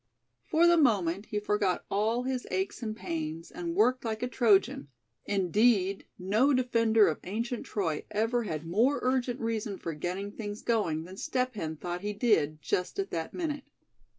For the moment he forgot all his aches and pains, and worked like a Trojan; indeed, no defender of ancient Troy ever had more urgent reason for getting things going than Step Hen thought he did just at that minute.